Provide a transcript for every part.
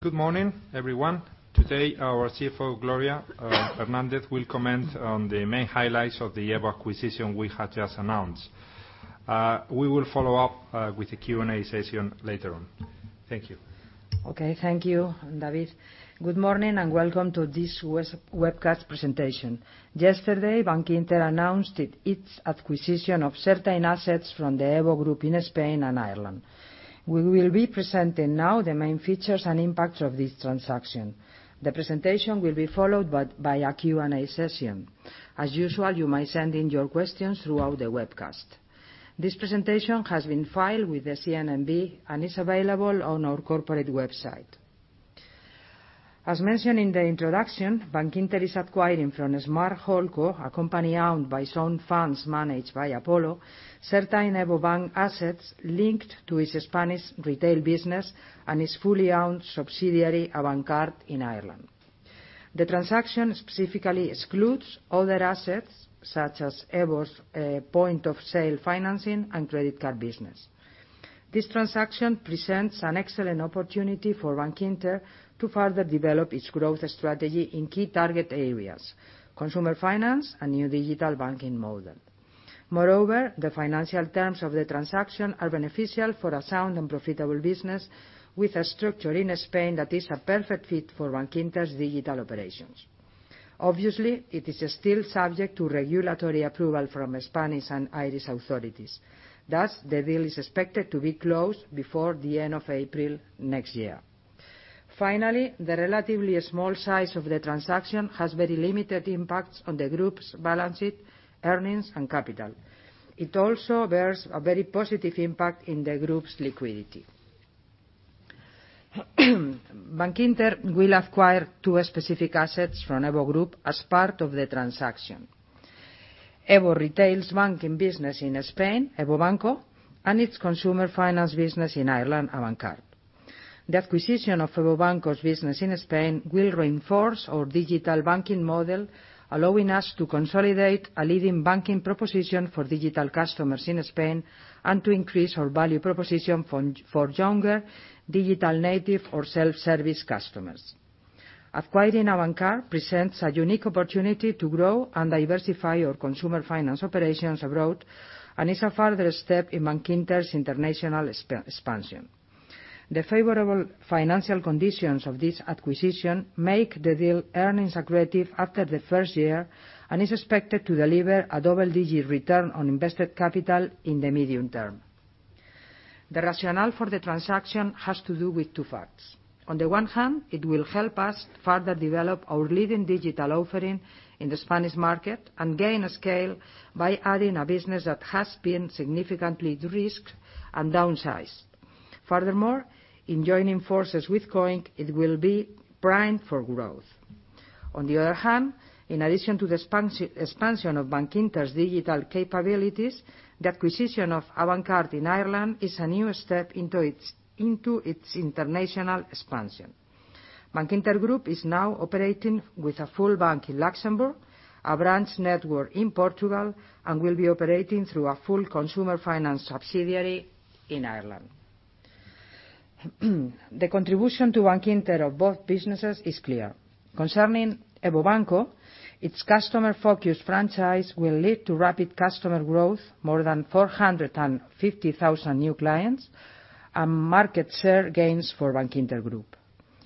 Good morning, everyone. Today, our CFO, Gloria Hernández, will comment on the main highlights of the EVO acquisition we had just announced. We will follow up with a Q&A session later on. Thank you. Okay. Thank you, David. Good morning, and welcome to this webcast presentation. Yesterday, Bankinter announced its acquisition of certain assets from the EVO group in Spain and Ireland. We will be presenting now the main features and impacts of this transaction. The presentation will be followed by a Q&A session. As usual, you may send in your questions throughout the webcast. This presentation has been filed with the CNMV and is available on our corporate website. As mentioned in the introduction, Bankinter is acquiring from Smart Holdco, a company owned by some funds managed by Apollo, certain EVO Bank assets linked to its Spanish retail business and its fully owned subsidiary, Avantcard, in Ireland. The transaction specifically excludes other assets, such as EVO's point-of-sale financing and credit card business. This transaction presents an excellent opportunity for Bankinter to further develop its growth strategy in key target areas, consumer finance and new digital banking model. Moreover, the financial terms of the transaction are beneficial for a sound and profitable business with a structure in Spain that is a perfect fit for Bankinter's digital operations. The deal is expected to be closed before the end of April next year. The relatively small size of the transaction has very limited impacts on the group's balance sheet, earnings, and capital. It also bears a very positive impact in the group's liquidity. Bankinter will acquire two specific assets from EVO group as part of the transaction. EVO Retail's banking business in Spain, EVO Banco, and its consumer finance business in Ireland, Avantcard. The acquisition of EVO Banco's business in Spain will reinforce our digital banking model, allowing us to consolidate a leading banking proposition for digital customers in Spain, and to increase our value proposition for younger digital native or self-service customers. Acquiring Avantcard presents a unique opportunity to grow and diversify our consumer finance operations abroad, and is a further step in Bankinter's international expansion. The favorable financial conditions of this acquisition make the deal earnings accretive after the first year and is expected to deliver a double-digit return on invested capital in the medium term. The rationale for the transaction has to do with two facts. On the one hand, it will help us further develop our leading digital offering in the Spanish market and gain scale by adding a business that has been significantly de-risked and downsized. In joining forces with COINC, it will be primed for growth. On the other hand, in addition to the expansion of Bankinter's digital capabilities, the acquisition of Avantcard in Ireland is a new step into its international expansion. Bankinter Group is now operating with a full bank in Luxembourg, a branch network in Portugal, and will be operating through a full consumer finance subsidiary in Ireland. The contribution to Bankinter of both businesses is clear. Concerning EVO Banco, its customer-focused franchise will lead to rapid customer growth, more than 450,000 new clients, and market share gains for Bankinter Group.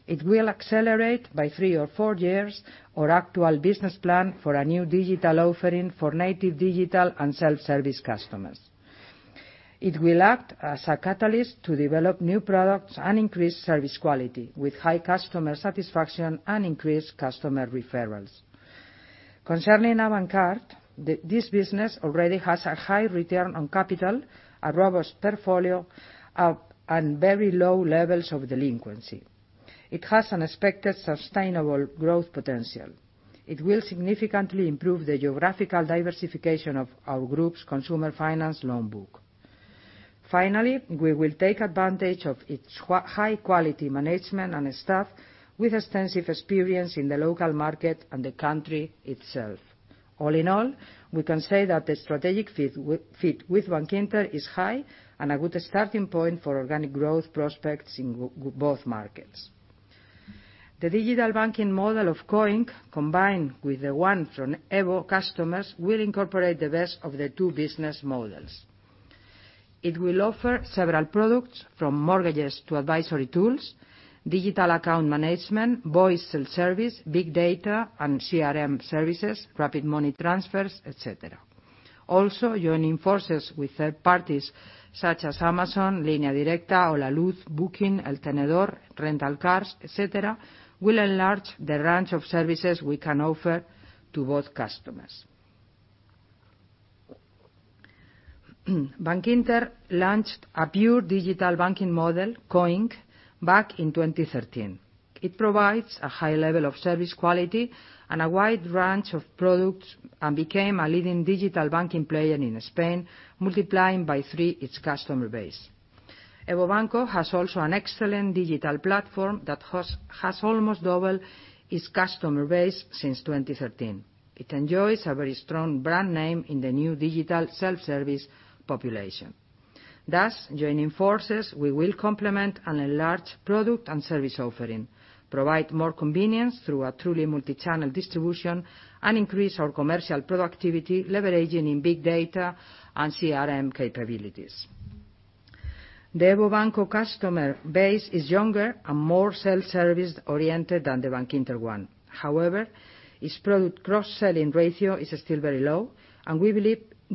It will accelerate by three or four years our actual business plan for a new digital offering for native digital and self-service customers. It will act as a catalyst to develop new products and increase service quality with high customer satisfaction and increased customer referrals. Concerning Avantcard, this business already has a high return on capital, a robust portfolio, and very low levels of delinquency. It has an expected sustainable growth potential. It will significantly improve the geographical diversification of our group's consumer finance loan book. Finally, we will take advantage of its high-quality management and staff with extensive experience in the local market and the country itself. All in all, we can say that the strategic fit with Bankinter is high and a good starting point for organic growth prospects in both markets. The digital banking model of COINC, combined with the one from EVO customers, will incorporate the best of the two business models. It will offer several products from mortgages to advisory tools, digital account management, voice self-service, big data, and CRM services, rapid money transfers, et cetera. Joining forces with third parties such as Amazon, Línea Directa, Holaluz, Booking, El Tenedor, Rentalcars.com, et cetera, will enlarge the range of services we can offer to both customers. Bankinter launched a pure digital banking model, COINC, back in 2013. It provides a high level of service quality and a wide range of products, and became a leading digital banking player in Spain, multiplying by three its customer base. EVO Banco has also an excellent digital platform that has almost doubled its customer base since 2013. It enjoys a very strong brand name in the new digital self-service population. Joining forces, we will complement and enlarge product and service offering, provide more convenience through a truly multi-channel distribution, and increase our commercial productivity leveraging in big data and CRM capabilities. The EVO Banco customer base is younger and more self-service oriented than the Bankinter one. Its product cross-selling ratio is still very low, and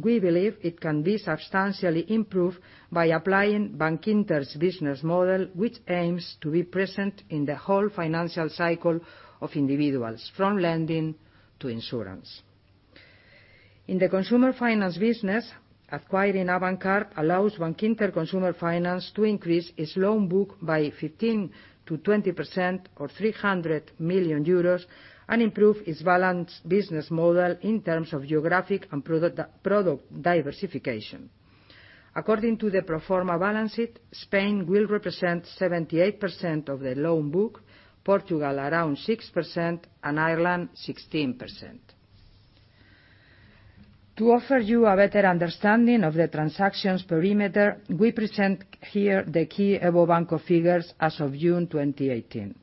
we believe it can be substantially improved by applying Bankinter's business model, which aims to be present in the whole financial cycle of individuals, from lending to insurance. In the consumer finance business, acquiring Avantcard allows Bankinter Consumer Finance to increase its loan book by 15%-20%, or 300 million euros, and improve its balanced business model in terms of geographic and product diversification. According to the pro forma balance sheet, Spain will represent 78% of the loan book, Portugal around 6%, and Ireland 16%. To offer you a better understanding of the transactions perimeter, we present here the key EVO Banco figures as of June 2018.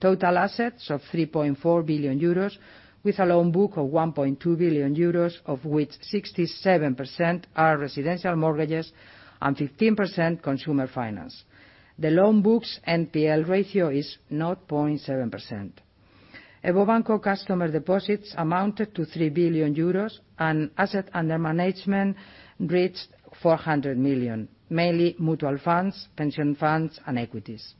Total assets of 3.4 billion euros, with a loan book of 1.2 billion euros, of which 67% are residential mortgages and 15% consumer finance. The loan book's NPL ratio is 0.7%. EVO Banco customer deposits amounted to 3 billion euros, and assets under management reached 400 million, mainly mutual funds, pension funds, and equities.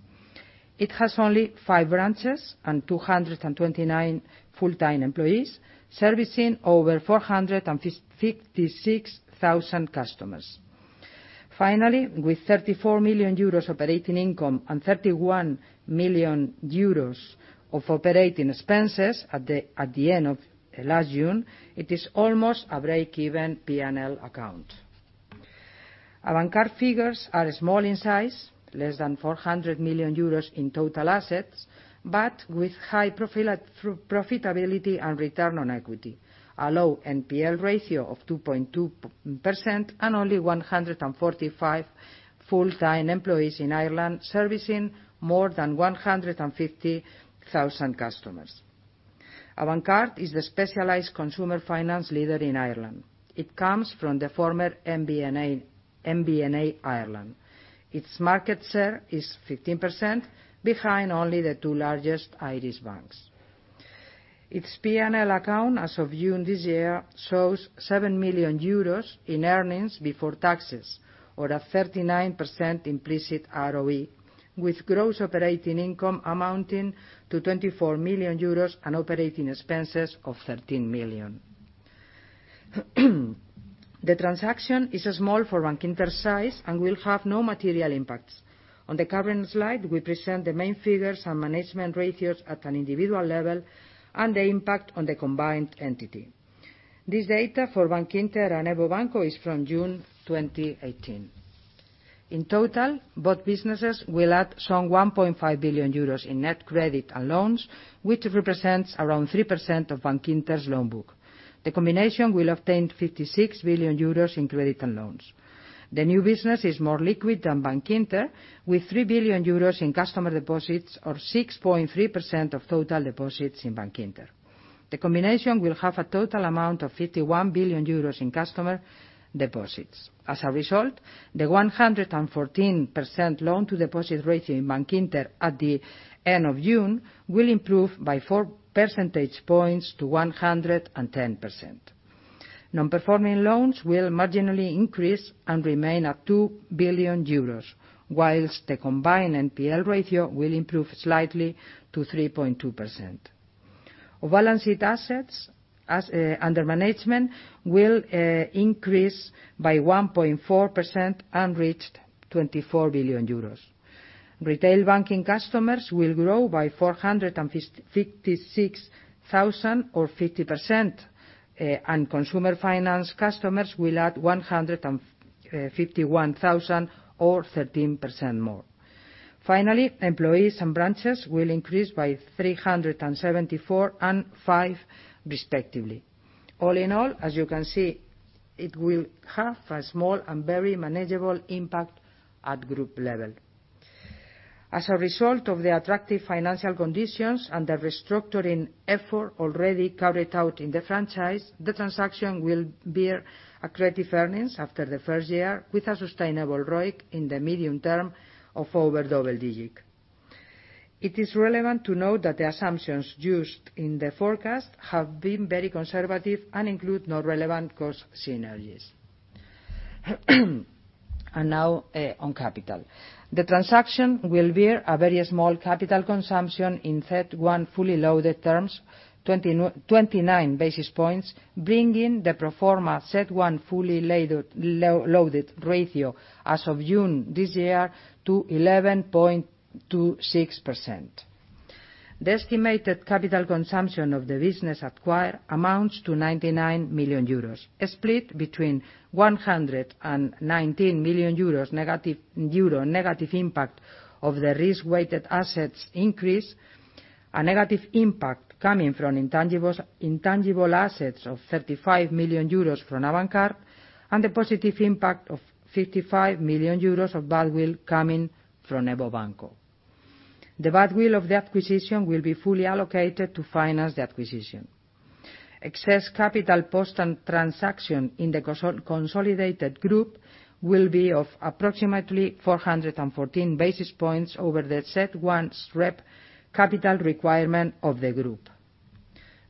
It has only five branches and 229 full-time employees, servicing over 456,000 customers. Finally, with 34 million euros operating income and 31 million euros of operating expenses at the end of last June, it is almost a break-even P&L account. Avantcard figures are small in size, less than 400 million euros in total assets, but with high profitability and return on equity, a low NPL ratio of 2.2%, and only 145 full-time employees in Ireland servicing more than 150,000 customers. Avantcard is the specialized consumer finance leader in Ireland. It comes from the former MBNA Ireland. Its market share is 15%, behind only the two largest Irish banks. Its P&L account as of June this year shows 7 million euros in earnings before taxes or a 39% implicit ROE, with gross operating income amounting to 24 million euros and operating expenses of 13 million. The transaction is small for Bankinter's size and will have no material impacts. On the current slide, we present the main figures and management ratios at an individual level and the impact on the combined entity. This data for Bankinter and EVO Banco is from June 2018. In total, both businesses will add some 1.5 billion euros in net credit and loans, which represents around 3% of Bankinter's loan book. The combination will obtain 56 billion euros in credit and loans. The new business is more liquid than Bankinter, with 3 billion euros in customer deposits or 6.3% of total deposits in Bankinter. The combination will have a total amount of 51 billion euros in customer deposits. As a result, the 114% loan-to-deposit ratio in Bankinter at the end of June will improve by four percentage points to 110%. Non-performing loans will marginally increase and remain at 2 billion euros, whilst the combined NPL ratio will improve slightly to 3.2%. Balance sheet assets under management will increase by 1.4% and reach 24 billion euros. Retail banking customers will grow by 456,000 or 50%, and consumer finance customers will add 151,000 or 13% more. Finally, employees and branches will increase by 374 and five, respectively. All in all, as you can see, it will have a small and very manageable impact at group level. As a result of the attractive financial conditions and the restructuring effort already carried out in the franchise, the transaction will bear accretive earnings after the first year with a sustainable ROIC in the medium term of over double digits. Now on capital. The transaction will bear a very small capital consumption in CET1 fully loaded terms, 29 basis points, bringing the pro forma CET1 fully loaded ratio as of June this year to 11.26%. The estimated capital consumption of the business acquired amounts to 99 million euros, split between 119 million euros negative impact of the risk-weighted assets increase. A negative impact coming from intangible assets of 35 million euros from Avantcard, and the positive impact of 55 million euros of goodwill coming from EVO Banco. The goodwill of the acquisition will be fully allocated to finance the acquisition. Excess capital post transaction in the consolidated group will be of approximately 414 basis points over the CET1 SREP capital requirement of the group.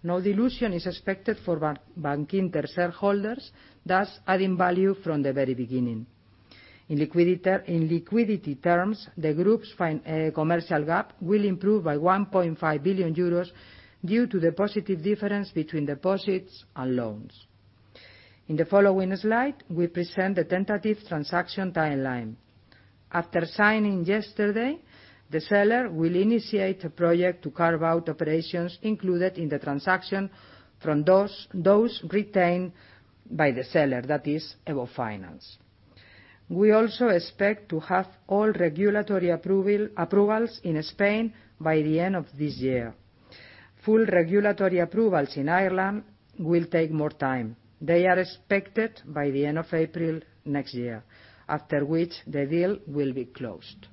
No dilution is expected for Bankinter shareholders, thus adding value from the very beginning. In liquidity terms, the group's commercial gap will improve by 1.5 billion euros due to the positive difference between deposits and loans. In the following slide, we present the tentative transaction timeline. After signing yesterday, the seller will initiate a project to carve out operations included in the transaction from those retained by the seller, that is EVO Finance. We also expect to have all regulatory approvals in Spain by the end of this year. Full regulatory approvals in Ireland will take more time. They are expected by the end of April next year, after which the deal will be closed.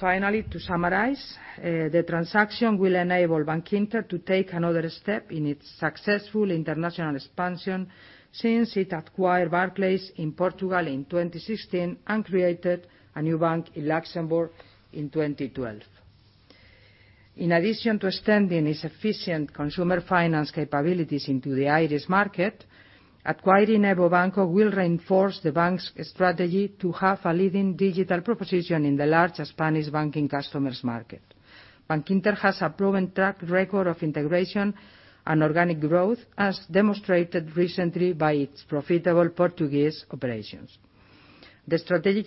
Finally, to summarize, the transaction will enable Bankinter to take another step in its successful international expansion since it acquired Barclays in Portugal in 2016 and created a new bank in Luxembourg in 2012. In addition to extending its efficient consumer finance capabilities into the Irish market, acquiring EVO Banco will reinforce the bank's strategy to have a leading digital proposition in the large Spanish banking customers market. Bankinter has a proven track record of integration and organic growth, as demonstrated recently by its profitable Portuguese operations. The strategic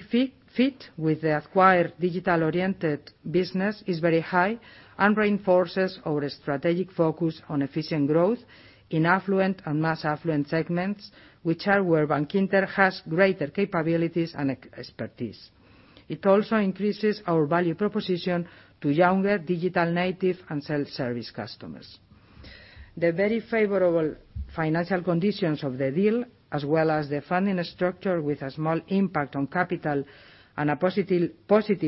fit with the acquired digital-oriented business is very high and reinforces our strategic focus on efficient growth in affluent and mass affluent segments, which are where Bankinter has greater capabilities and expertise. It also increases our value proposition to younger digital native and self-service customers. The very favorable financial conditions of the deal, as well as the funding structure with a small impact on capital and a positive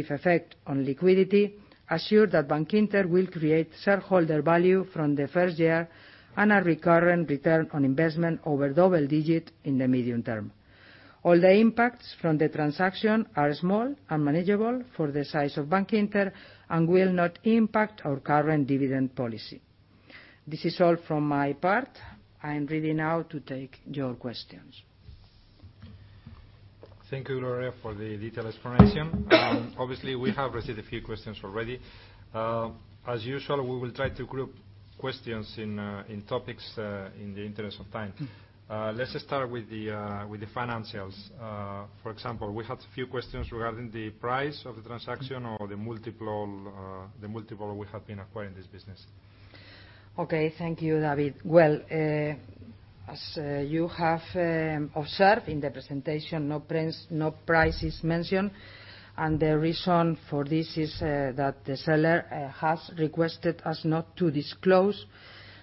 effect on liquidity, assure that Bankinter will create shareholder value from the first year and a recurring return on investment over double-digit in the medium term. All the impacts from the transaction are small and manageable for the size of Bankinter and will not impact our current dividend policy. This is all from my part. I am ready now to take your questions. Thank you, Gloria, for the detailed explanation. Obviously, we have received a few questions already. As usual, we will try to group questions in topics, in the interest of time. Let's start with the financials. For example, we had a few questions regarding the price of the transaction or the multiple we have been acquiring this business. Thank you, David. As you have observed in the presentation, no price is mentioned. The reason for this is that the seller has requested us not to disclose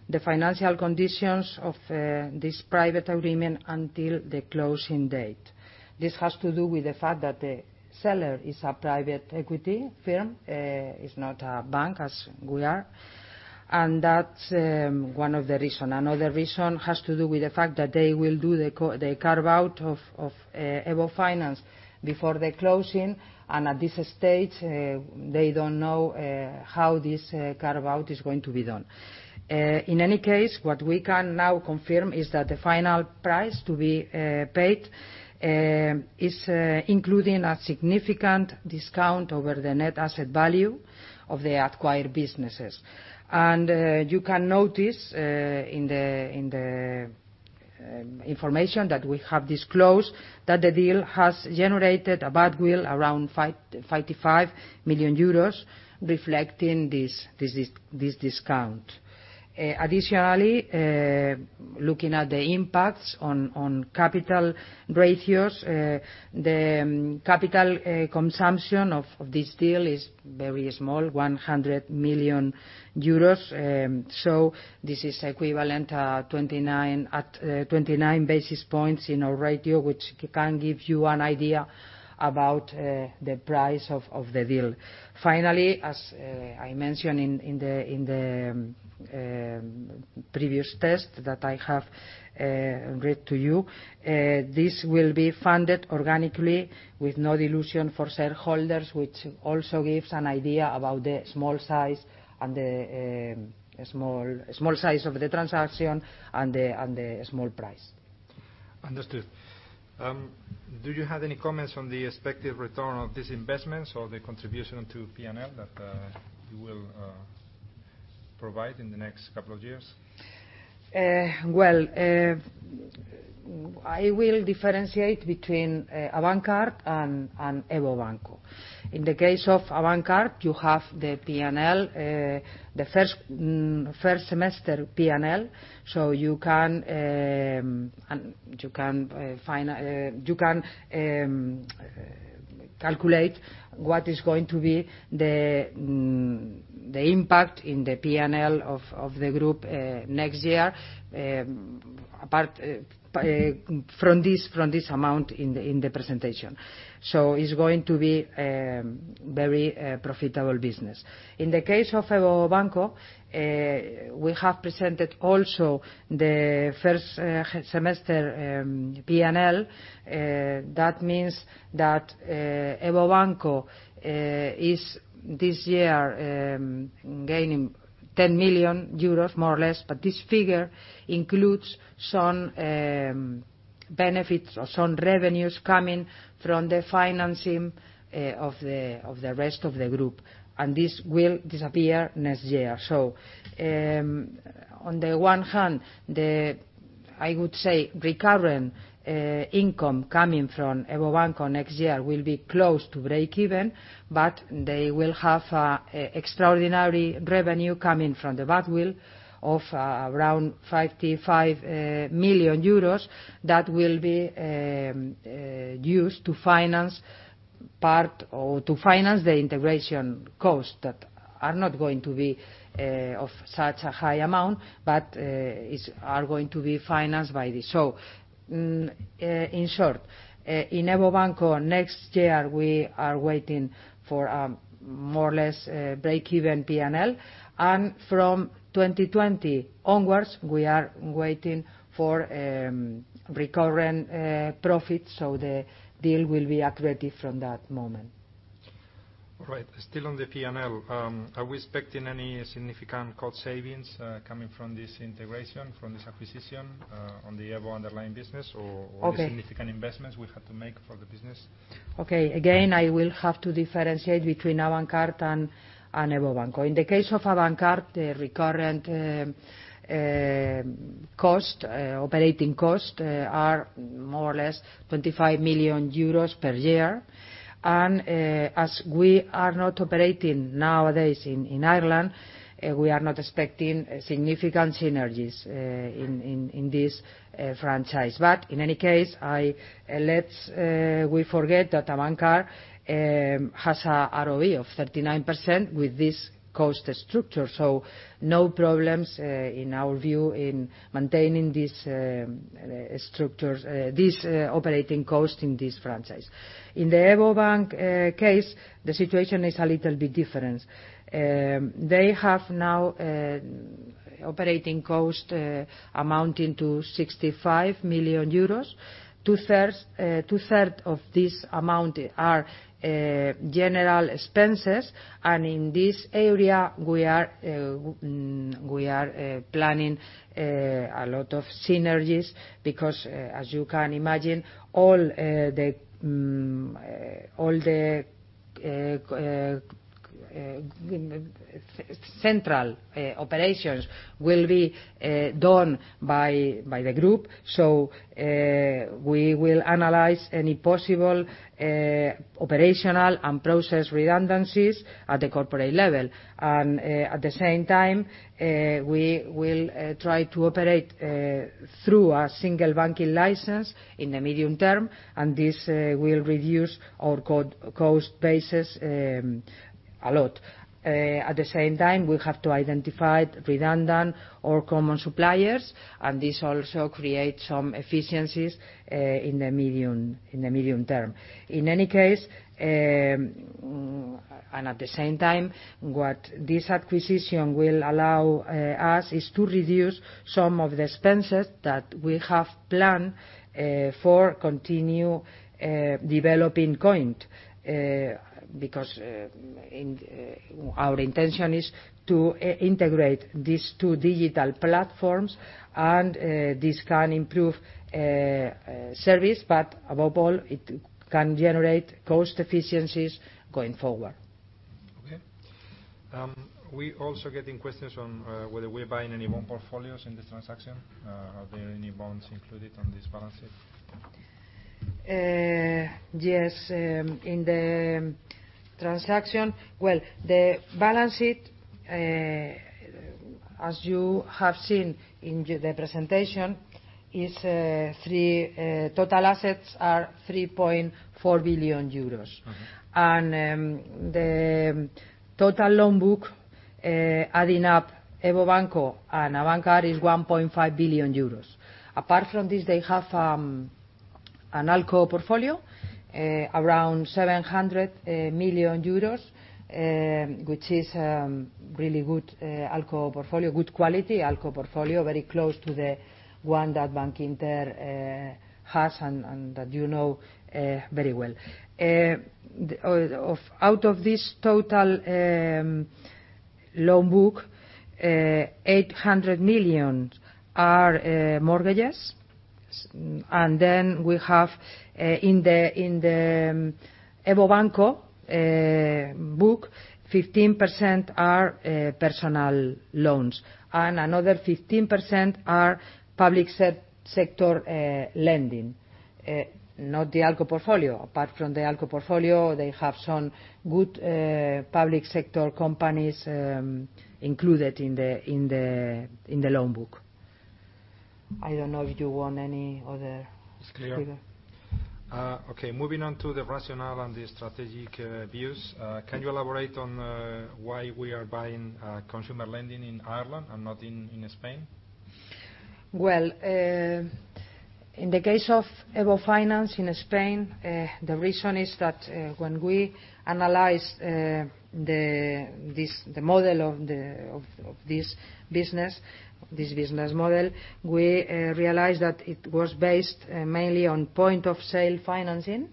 the financial conditions of this private agreement until the closing date. This has to do with the fact that the seller is a private equity firm, is not a bank as we are. That's one of the reasons. Another reason has to do with the fact that they will do the carve out of EVO Finance before the closing, and at this stage, they don't know how this carve out is going to be done. In any case, what we can now confirm is that the final price to be paid is including a significant discount over the net asset value of the acquired businesses. You can notice in the information that we have disclosed that the deal has generated a goodwill around 55 million euros, reflecting this discount. Additionally, looking at the impacts on capital ratios, the capital consumption of this deal is very small, 100 million euros. This is equivalent at 29 basis points in our ratio, which can give you an idea about the price of the deal. Finally, as I mentioned in the previous text that I have read to you, this will be funded organically with no dilution for shareholders, which also gives an idea about the small size of the transaction and the small price. Understood. Do you have any comments on the expected return of these investments or the contribution to P&L that you will provide in the next couple of years? I will differentiate between Avantcard and EVO Banco. In the case of Avantcard, you have the P&L, the first semester P&L. You can Calculate what is going to be the impact in the P&L of the group next year apart from this amount in the presentation. It's going to be very profitable business. In the case of EVO Banco, we have presented also the first semester P&L. That means that EVO Banco is, this year, gaining 10 million euros, more or less, but this figure includes some benefits or some revenues coming from the financing of the rest of the group, and this will disappear next year. On the one hand, I would say recurring income coming from EVO Banco next year will be close to breakeven. They will have extraordinary revenue coming from the goodwill of around 55 million euros that will be used to finance the integration costs that are not going to be of such a high amount, but are going to be financed by this. In short, in EVO Banco next year, we are waiting for more or less breakeven P&L, and from 2020 onwards, we are waiting for recurring profit. The deal will be accretive from that moment. All right. Still on the P&L. Are we expecting any significant cost savings coming from this integration, from this acquisition, on the EVO underlying business. Okay Are we expecting any significant investments we have to make for the business? Okay. Again, I will have to differentiate between Avantcard and EVO Banco. In the case of Avantcard, the recurring operating cost are more or less 25 million euros per year. As we are not operating nowadays in Ireland, we are not expecting significant synergies in this franchise. In any case, we forget that Avantcard has a ROE of 39% with this cost structure. No problems in our view in maintaining these operating costs in this franchise. In the EVO Banco case, the situation is a little bit different. They have now operating cost amounting to 65 million euros. Two third of this amount are general expenses, and in this area, we are planning a lot of synergies because, as you can imagine, all the central operations will be done by the group. We will analyze any possible operational and process redundancies at the corporate level. At the same time, we will try to operate through a single banking license in the medium term. This will reduce our cost basis a lot. At the same time, we have to identify redundant or common suppliers. This also creates some efficiencies in the medium term. In any case, at the same time, what this acquisition will allow us is to reduce some of the expenses that we have planned for continue developing COINC, because our intention is to integrate these two digital platforms. This can improve service, above all, it can generate cost efficiencies going forward. Okay. We are also getting questions on whether we're buying any bond portfolios in this transaction. Are there any bonds included on this balance sheet? Yes, in the transaction. Well, the balance sheet, as you have seen in the presentation, total assets are 3.4 billion euros. Okay. The total loan book, adding up EVO Banco and Avantcard is 1.5 billion euros. Apart from this, they have an ALCO portfolio, around 700 million euros, which is really good ALCO portfolio, good quality ALCO portfolio, very close to the one that Bankinter has and that you know very well. Out of this total loan book, 800 million are mortgages. Then we have in the EVO Banco book, 15% are personal loans and another 15% are public sector lending, not the ALCO portfolio. Apart from the ALCO portfolio, they have some good public sector companies included in the loan book. I don't know if you want any other- It's clear. Okay, moving on to the rationale and the strategic views. Can you elaborate on why we are buying consumer lending in Ireland and not in Spain? Well, in the case of EVO Finance in Spain, the reason is that when we analyzed the model of this business model, we realized that it was based mainly on point-of-sale financing.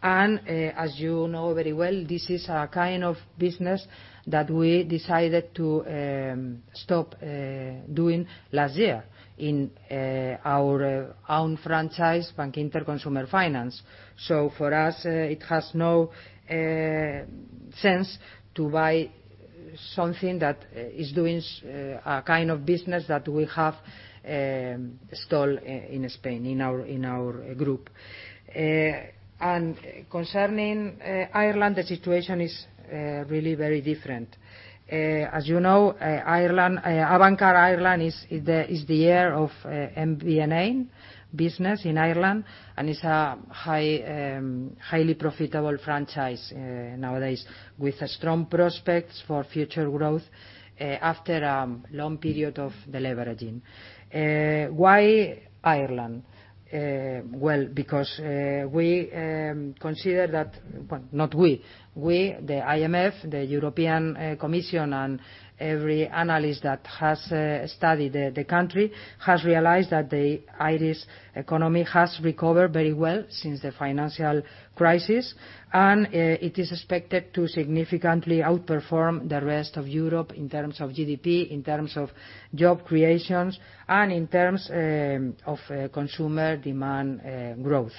As you know very well, this is a kind of business that we decided to stop doing last year in our own franchise, Bankinter Consumer Finance. For us, it has no sense to buy something that is doing a kind of business that we have stalled in Spain, in our group. Concerning Ireland, the situation is really very different. As you know, Avantcard Ireland is the heir of MBNA business in Ireland, and is a highly profitable franchise nowadays with strong prospects for future growth after a long period of deleveraging. Why Ireland? Well, because the IMF, the European Commission, and every analyst that has studied the country has realized that the Irish economy has recovered very well since the financial crisis, and it is expected to significantly outperform the rest of Europe in terms of GDP, in terms of job creations, and in terms of consumer demand growth.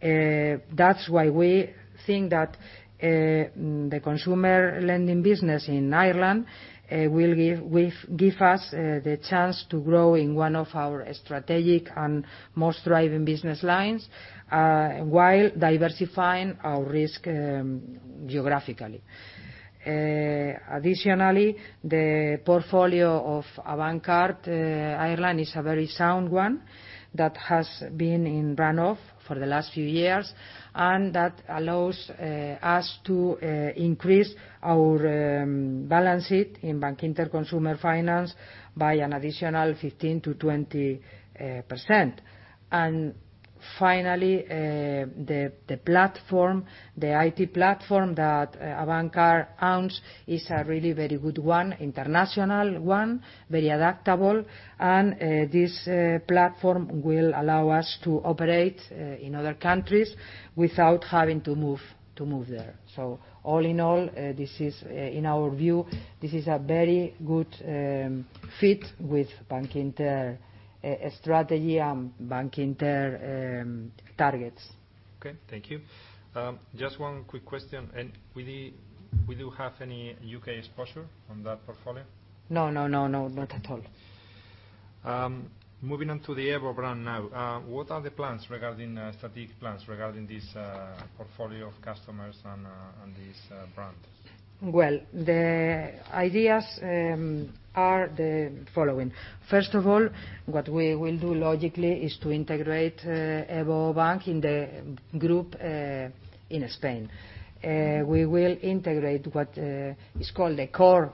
That's why we think that the consumer lending business in Ireland will give us the chance to grow in one of our strategic and most thriving business lines, while diversifying our risk geographically. Additionally, the portfolio of Avantcard Ireland is a very sound one that has been in runoff for the last few years, and that allows us to increase our balance sheet in Bankinter Consumer Finance by an additional 15%-20%. Finally, the IT platform that Avantcard owns is a really very good one, international one, very adaptable, and this platform will allow us to operate in other countries without having to move there. All in all, in our view, this is a very good fit with Bankinter strategy and Bankinter targets. Okay. Thank you. Just one quick question. We do have any U.K. exposure on that portfolio? No, not at all. Moving on to the EVO brand now. What are the strategic plans regarding this portfolio of customers and these brands? Well, the ideas are the following. First of all, what we will do, logically, is to integrate EVO Banco in the group, in Spain. We will integrate what is called a core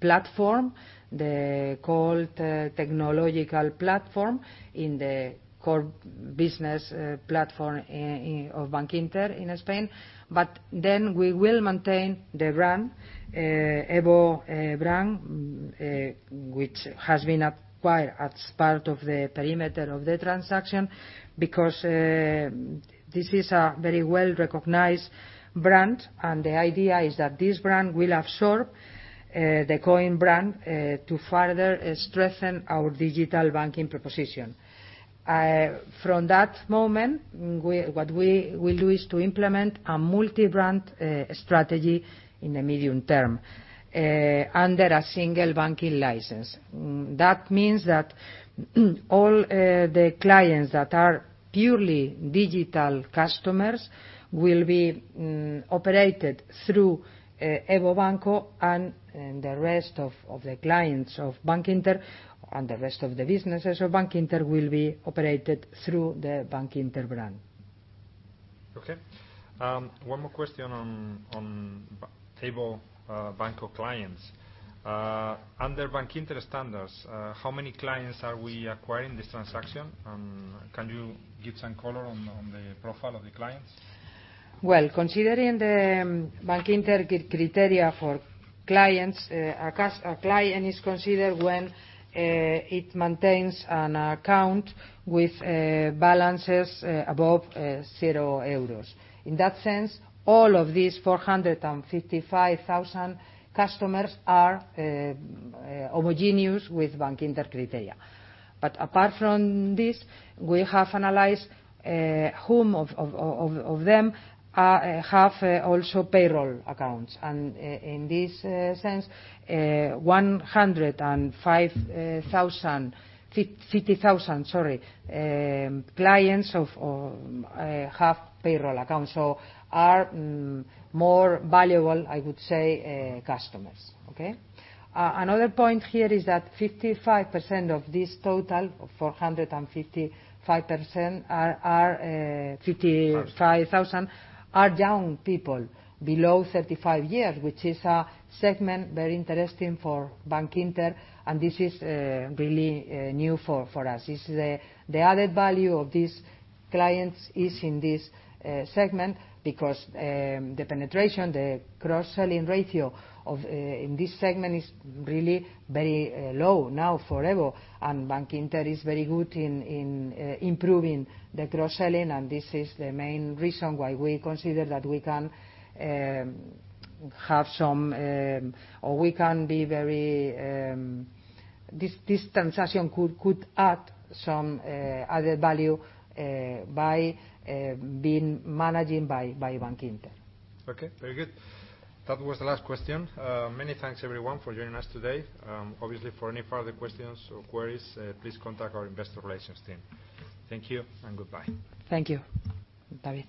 platform, the core technological platform in the core business platform of Bankinter in Spain. We will maintain the EVO brand, which has been acquired as part of the perimeter of the transaction because this is a very well-recognized brand, and the idea is that this brand will absorb the COINC brand to further strengthen our digital banking proposition. From that moment, what we will do is to implement a multi-brand strategy in the medium term, under a single banking license. That means that all the clients that are purely digital customers will be operated through EVO Banco. The rest of the clients of Bankinter and the rest of the businesses of Bankinter will be operated through the Bankinter brand. Okay. One more question on EVO Banco clients. Under Bankinter standards, how many clients are we acquiring this transaction? Can you give some color on the profile of the clients? Well, considering the Bankinter criteria for clients, a client is considered when it maintains an account with balances above 0 euros. In that sense, all of these 455,000 customers are homogeneous with Bankinter criteria. Apart from this, we have analyzed whom of them have also payroll accounts. In this sense, 105,000 clients have payroll accounts, so are more valuable, I would say, customers. Okay? Another point here is that 55% of this total of 455,000 are young people below 35 years, which is a segment very interesting for Bankinter. This is really new for us. The added value of these clients is in this segment because the penetration, the cross-selling ratio in this segment is really very low now for EVO. Bankinter is very good in improving the cross-selling. This is the main reason why we consider that this transaction could add some added value by being managed by Bankinter. Okay. Very good. That was the last question. Many thanks everyone for joining us today. Obviously, for any further questions or queries, please contact our investor relations team. Thank you and goodbye. Thank you, David.